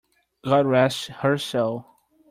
God rest her soul!